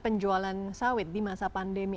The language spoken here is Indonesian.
penjualan sawit di masa pandemi